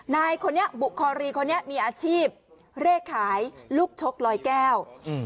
นายบุคอรีมีอาชีพเลขขายลูกชกลอยแก้ว